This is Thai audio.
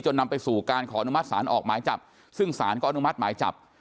นำไปสู่การขออนุมัติศาลออกหมายจับซึ่งสารก็อนุมัติหมายจับ